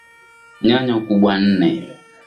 Nyanya Ukubwa nne